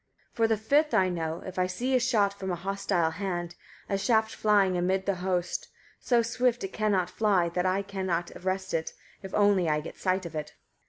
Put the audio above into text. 152. For the fifth I know, if I see a shot from a hostile hand, a shaft flying amid the host, so swift it cannot fly that I cannot arrest it, if only I get sight of it.